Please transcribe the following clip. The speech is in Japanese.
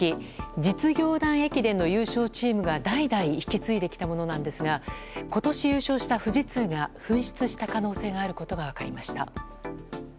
実業団駅団の優勝チームが代々引き継いできたものなんですが今年優勝した富士通が紛失した可能性があることが分かりました。